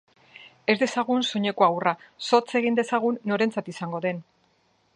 Ez dezagun soinekoa urra, zotz egin dezagun norentzat izango den.